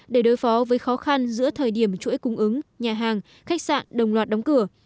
để đối phó với khó khăn giữa thời điểm chuỗi cung ứng nhà hàng khách sạn đồng loạt đóng cửa